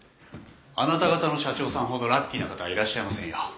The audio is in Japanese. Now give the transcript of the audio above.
あなた方の社長さんほどラッキーな方はいらっしゃいませんよ。